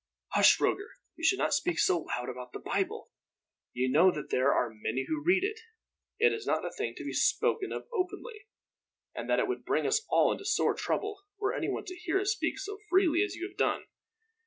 "Hush, Roger! You should not speak so loud about the Bible. You know that though there are many who read it, it is not a thing to be spoken of openly; and that it would bring us all into sore trouble, were anyone to hear us speak so freely as you have done.